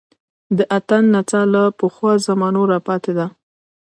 د اتڼ نڅا له پخوا زمانو راپاتې ده